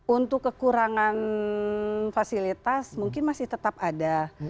untuk kekurangan fasilitas mungkin masih tetap ada